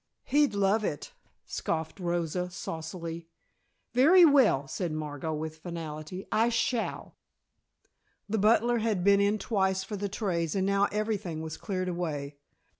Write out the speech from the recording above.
"He'd love it," scoffed Rosa, saucily. "Very well," said Margot with finality, "I shall." The butler had been in twice for the trays and now everything was cleared away.